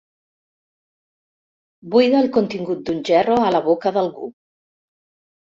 Buida el contingut d'un gerro a la boca d'algú.